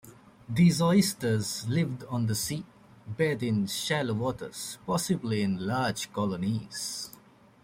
These oysters lived on the sea bed in shallow waters, possibly in large colonies.